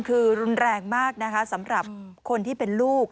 คือรุนแรงมากนะคะสำหรับคนที่เป็นลูก